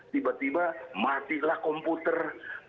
tiba tiba matilah komputer